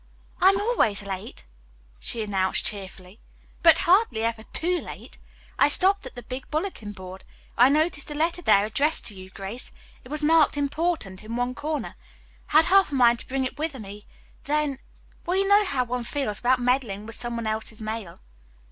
"I'm always late," she announced cheerfully, "but hardly ever too late. I stopped at the big bulletin board. I noticed a letter there addressed to you, Grace. It was marked 'Important' in one corner. I had half a mind to bring it with me, then well you know how one feels about meddling with some one else's mail."